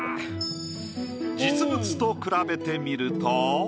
実物と比べてみると。